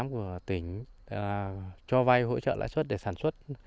của tỉnh cho vay hỗ trợ lãi suất để sản xuất